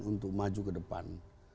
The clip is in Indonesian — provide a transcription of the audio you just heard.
untuk maju kedepan